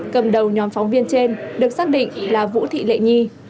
cầm đầu nhóm phóng viên trên được xác định là vũ thị lệ nhi